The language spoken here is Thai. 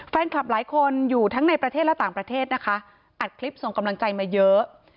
แฟนคลับหลายคนอยู่ทั้งในประเทศและต่างประเทศนะคะอัดคลิปส่งกำลังใจมาเยอะ